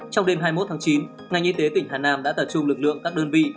trong đêm hai mươi một tháng chín ngành y tế tỉnh hà nam đã tập trung lực lượng các đơn vị